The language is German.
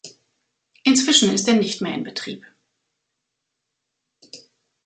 Inzwischen ist er nicht mehr in Betrieb.